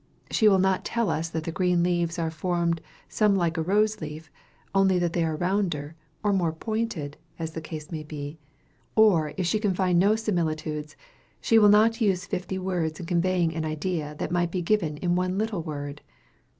She will not tell us that the green leaves are formed some like a rose leaf, only that they are rounder, or more pointed, as the case may be; or if she can find no similitudes, she will not use fifty words in conveying an idea that might be given in one little word.